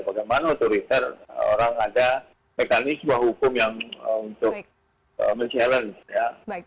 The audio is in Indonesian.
bagaimana otoriter orang ada mekanisme hukum yang untuk men challenge ya